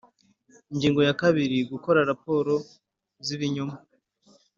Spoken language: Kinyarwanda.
ingingo ya kabiri gukora raporo z ibinyoma